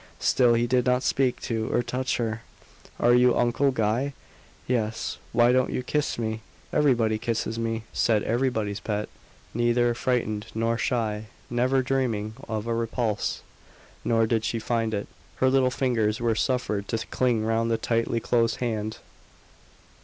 Still he did not speak to or touch her. "Are you Uncle Guy?" "Yes." "Why don't you kiss me? Everybody kisses me," said everybody's pet; neither frightened nor shy; never dreaming of a repulse. Nor did she find it. Her little fingers were suffered to cling round the tightly closed hand.